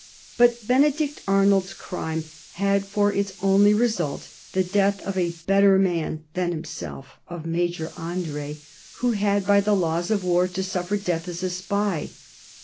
But Benedict Arnold's crime had for its only result the death of a better man than himself, of Major André, who had by the laws of war to suffer death as a spy.